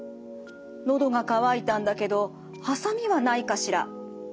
「のどが渇いたんだけどハサミはないかしら？」と言います。